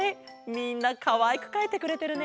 みんなかわいくかいてくれてるね。